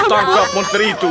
tangkap putri itu